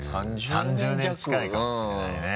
３０年近いかもしれないね。